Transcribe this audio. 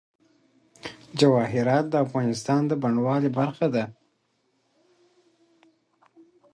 جواهرات د افغانستان د بڼوالۍ برخه ده.